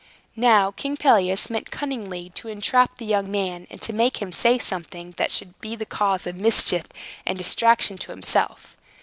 Now King Pelias meant cunningly to entrap the young man, and to make him say something that should be the cause of mischief and distraction to himself.